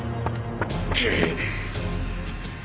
くっ！